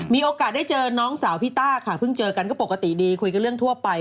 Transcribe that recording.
มีโอกาสได้เจอน้องสาวพี่ต้าค่ะเพิ่งเจอกันก็ปกติดีคุยกันเรื่องทั่วไป